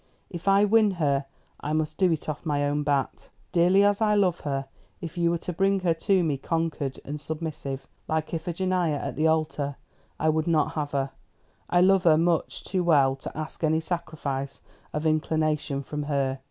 If I win her, I must do it off my own bat. Dearly as I love her, if you were to bring her to me conquered and submissive, like Iphigenia at the altar, I would not have her. I love her much too well to ask any sacrifice of inclination from her.